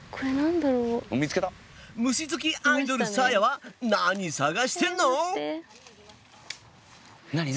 虫好きアイドルさあやは何探してんの？